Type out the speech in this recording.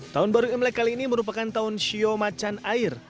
tahun baru imlek kali ini merupakan tahun sio macan air